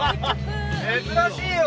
珍しいよ。